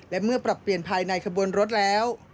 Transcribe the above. และเมื่อปรับเปลี่ยนภายในขบวนรถแล้ว